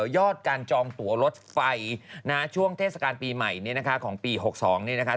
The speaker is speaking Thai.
ยอดการจองตัวรถไฟช่วงเทศกาลปีใหม่ของปี๖๒เนี่ยนะคะ